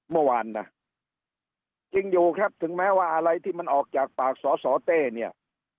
เมื่อวานนะจริงอยู่ครับถึงแม้ว่าอะไรที่มันออกจากปากสอสอเต้เนี่ย